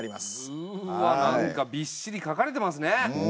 うわ何かびっしり書かれてますね。